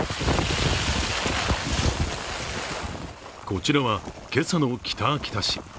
こちらは今朝の北秋田市。